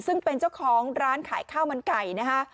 ซึ่งเป็นเจ้าของร้านขายข้าวมันไก่นะคะ